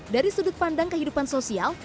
dari sudut pandang kehidupan sosial